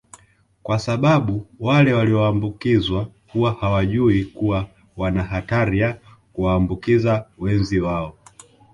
kwa sababu wale walioambukizwa huwa hawajui kuwa wana hatari ya kuwaambukiza wenzi wao